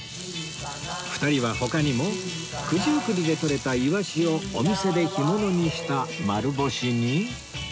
２人は他にも九十九里でとれたイワシをお店で干物にした丸干しに